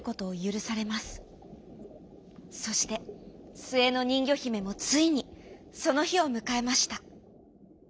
そしてすえのにんぎょひめもついにそのひをむかえました。